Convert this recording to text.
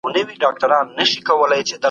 ایا ته په پوهنتون کي زده کړي کوي؟